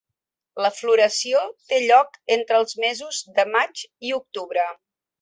La floració té lloc entre els mesos de maig i octubre.